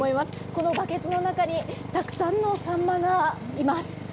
このバケツの中にたくさんのサンマがいます。